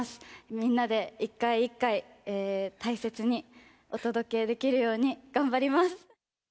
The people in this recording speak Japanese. みんなで一回一回、大切にお届けできるように頑張ります。